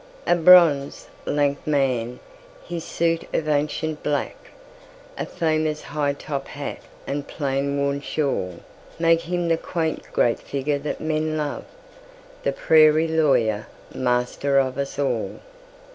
A bronzed, lank man! His suit of ancient black,A famous high top hat and plain worn shawlMake him the quaint great figure that men love, The prairie lawyer, master of us all.